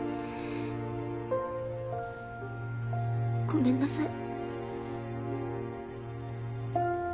ごめんなさい。